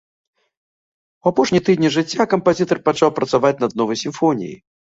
У апошнія тыдні жыцця кампазітар пачаў працаваць над новай сімфоніяй.